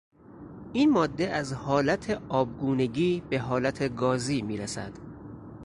این ماده از حالت آبگونگی به حالت گازی میرسد.